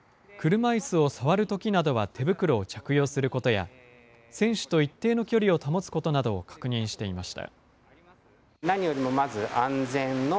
車いすを触るときなどは手袋を着用することや、選手と一定の距離を保つことなどを確認していました。